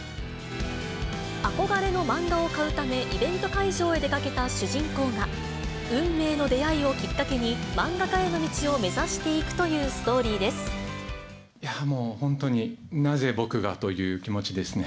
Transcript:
憧れのマンガを買うため、イベント会場へ出かけた主人公が、運命の出会いをきっかけにマンガ家への道を目指していくというスもう、本当になぜ僕が？という気持ちですね。